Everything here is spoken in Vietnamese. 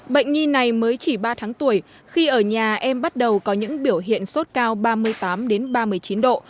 bệnh nhi này mới chỉ ba tháng tuổi khi ở nhà em bắt đầu có những biểu hiện sốt cao ba mươi tám ba mươi chín độ